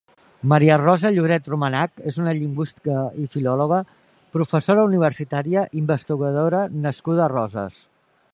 Maria Rosa Lloret Romañach és una lingüista i filòloga, professora universitària, investigadora nascuda a Roses.